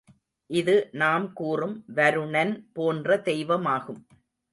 இது நாம் கூறும் வருணன் போன்ற தெய்வமாகும்.